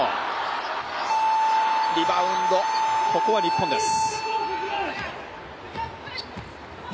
リバウンド、ここは日本です。